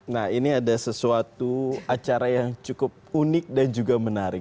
nah ini ada sesuatu acara yang cukup unik dan juga menarik